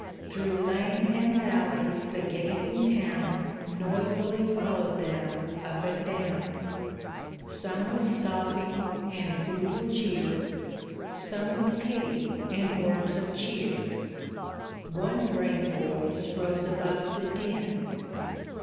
Through lane and alley the gazing town Noisily followed them up and down; Some with scoffing and brutal jeer, Some with pity and words of cheer. One brave voice rose above the din.